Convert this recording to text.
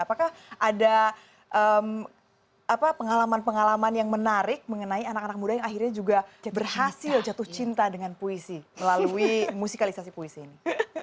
apakah ada pengalaman pengalaman yang menarik mengenai anak anak muda yang akhirnya juga berhasil jatuh cinta dengan puisi melalui musikalisasi puisi ini